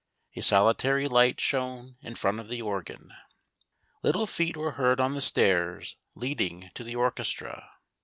A solitary light shone in front of the organ. Little feet were heard on the stairs leading to the orchestra.